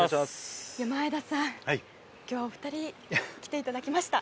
前田さん、今日はお二人来ていただきました。